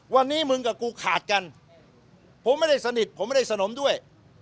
วันนี้มึงกับกูขาดกันผมไม่ได้สนิทผมไม่ได้สนมด้วย